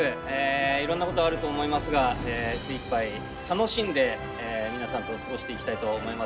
いろんなことあると思いますが精いっぱい楽しんで皆さんと過ごしていきたいと思います。